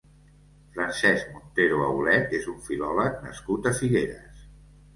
Francesc Montero Aulet és un filòleg nascut a Figueres.